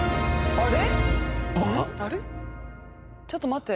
あれ？